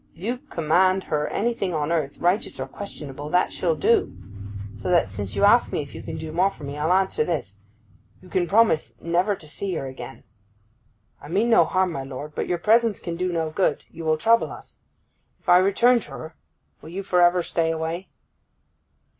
If you command her anything on earth, righteous or questionable, that she'll do. So that, since you ask me if you can do more for me, I'll answer this, you can promise never to see her again. I mean no harm, my lord; but your presence can do no good; you will trouble us. If I return to her, will you for ever stay away?